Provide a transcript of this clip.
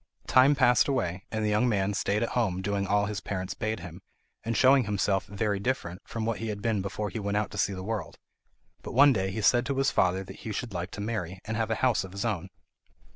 Time passed away, and the young man stayed at home doing all his parents bade him, and showing himself very different from what he had been before he went out to see the world; but one day he said to his father that he should like to marry, and have a house of his own.